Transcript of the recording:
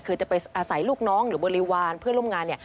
คือจะไปอาศัยลูกน้องหรือบริวารเพื่อนร่วมงานเนี่ย